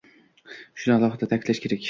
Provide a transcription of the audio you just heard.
Shuni alohida ta’kidlash kerak